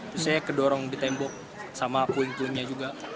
terus saya kedorong di tembok sama kuing kuingnya juga